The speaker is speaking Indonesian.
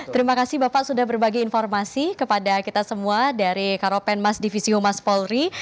terima kasih bapak sudah berbagi informasi kepada kita semua dari karopenmas divisi humas polri